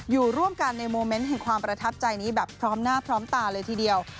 อยู่ร่วมกันในโมเมนต์แห่งความประทับใจนี้แบบพร้อมหน้าพร้อมตาเลยทีเดียว